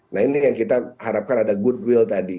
nah ini yang kita harapkan ada goodwill tadi